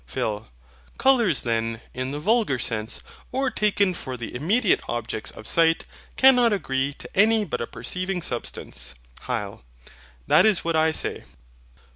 PHIL. Colours then, in the vulgar sense, or taken for the immediate objects of sight, cannot agree to any but a perceiving substance. HYL. That is what I say.